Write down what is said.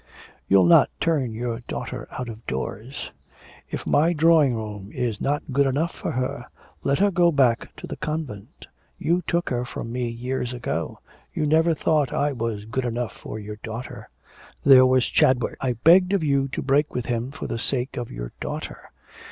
'You'll not turn your daughter out of doors!' 'If my drawing room is not good enough for her, let her go back to the convent. You took her from me years ago; you never thought I was good enough for your daughter.' 'There was Chadwick. I begged of you to break with him for the sake of your daughter.